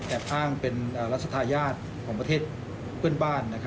อ้างเป็นรัชธาญาติของประเทศเพื่อนบ้าน